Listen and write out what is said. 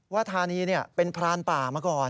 ว่าธานีเนี่ยเป็นพรานป่ามาก่อน